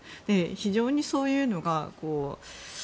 非常にそういうのが。